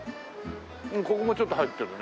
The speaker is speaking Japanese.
うんここもちょっと入ってるね。